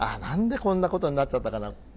何でこんなことになっちゃったかな。